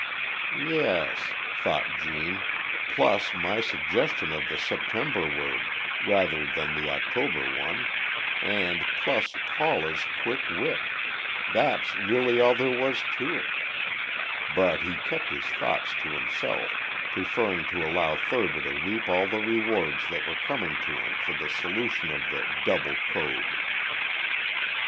"Yes," thought Gene, "plus my suggestion of the September word, rather than the October one, and plus Paula's quick wit that's really all there was to it!" But he kept his thoughts to himself, preferring to allow Thurber to reap all the rewards that were coming to him for the solution of the "double code."